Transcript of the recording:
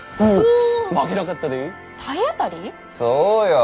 そうよ。